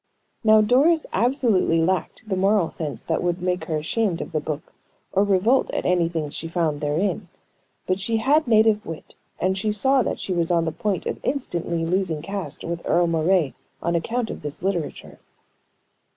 Now, Doris absolutely lacked the moral sense that would make her ashamed of the book, or revolt at anything she found therein. But she had native wit, and she saw that she was on the point of instantly losing caste with Earle Moray on account of this literature.